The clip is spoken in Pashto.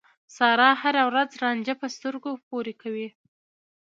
سارا هر ورځ رانجه په سترګو پورې کوي.